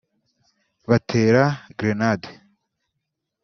batera grenade